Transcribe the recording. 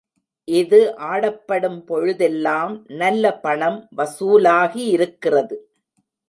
இது ஆடப்படும் பொழுதெல்லாம் நல்ல பணம் வசூலாகியிருக்கிறது.